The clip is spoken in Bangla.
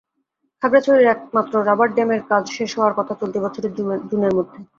খাগড়াছড়ির একমাত্র রাবার ড্যামের কাজ শেষ হওয়ার কথা চলতি বছরের জুনের মধ্যে।